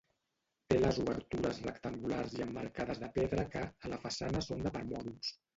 Té les obertures rectangulars i emmarcades de pedra que, a la façana són de permòdols.